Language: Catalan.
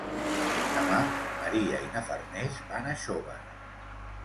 Demà en Maria i na Farners van a Xóvar.